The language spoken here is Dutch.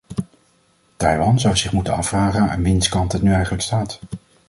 Taiwan zou zich moeten afvragen aan wiens kant het nu eigenlijk staat.